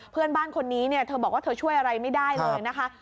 เพื่อนบ้านคนนี้เนี่ยเธอบอกว่าเธอช่วยอะไรไม่ได้เลยนะคะ